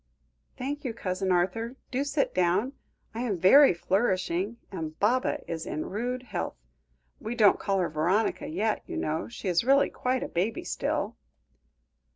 "Thank you, Cousin Arthur; do sit down; I am very flourishing, and Baba is in rude health. We don't call her Veronica yet, you know; she is really only quite a baby still."